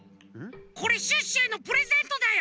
これシュッシュへのプレゼントだよ。